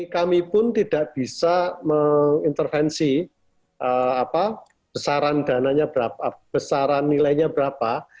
kami pun tidak bisa mengintervensi besaran nilainya berapa